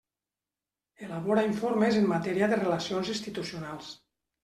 Elabora informes en matèria de relacions institucionals.